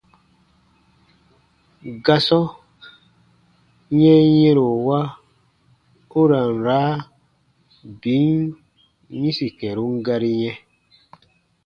Gasɔ yɛnyɛ̃rowa u ra n raa bin yĩsi kɛ̃run gari yɛ̃.